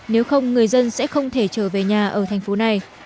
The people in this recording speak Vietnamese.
nếu không người dân sẽ không thể trở về nhà ở thành phố này